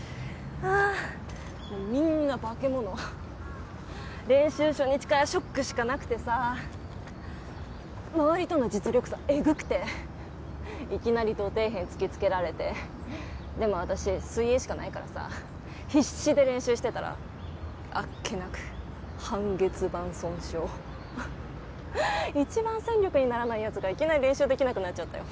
もうみんな化け物練習初日からショックしかなくてさ周りとの実力差エグくていきなりド底辺突きつけられてでも私水泳しかないからさ必死で練習してたらあっけなく半月板損傷一番戦力にならないやつがいきなり練習できなくなっちゃったよ